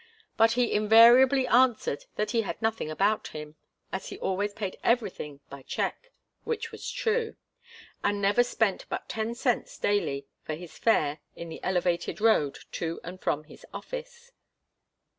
But he invariably answered that he had nothing about him, as he always paid everything by cheque, which was true, and never spent but ten cents daily for his fare in the elevated road to and from his office.